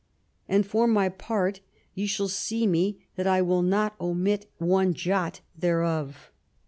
And for my part, ye shall see me that I will not omit one jot thereof.''